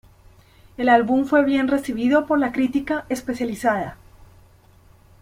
El álbum fue bien recibido por la crítica especializada.